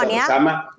akan ada pertemuan ya